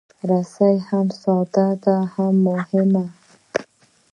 رسۍ هم ساده ده، هم مهمه.